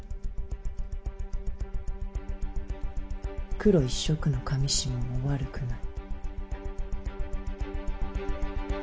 黒一色の裃も悪くない。